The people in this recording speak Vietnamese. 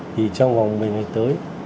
thì trong vòng một mươi ngày tới